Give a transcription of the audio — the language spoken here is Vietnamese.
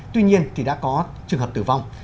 tuy nhiên đã có trường hợp tử vong